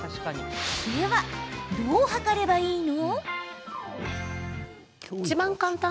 では、どう測ればいいの？